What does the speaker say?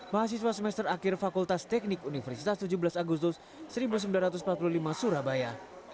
mahasiswa semester akhir fakultas teknik universitas tujuh belas agustus seribu sembilan ratus empat puluh lima surabaya